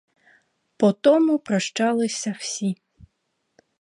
По тому прощалися всі.